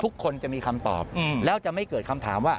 ทุกคนจะมีคำตอบแล้วจะไม่เกิดคำถามว่า